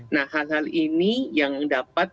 nah hal hal ini yang dapat